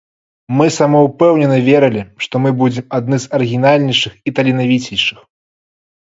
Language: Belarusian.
Мы самаўпэўнена верылі, што мы будзем адны з арыгінальнейшых і таленавіцейшых.